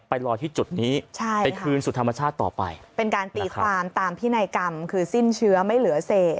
ไปลอยที่จุดนี้ใช่ไปคืนสู่ธรรมชาติต่อไปเป็นการตีความตามพินัยกรรมคือสิ้นเชื้อไม่เหลือเสพ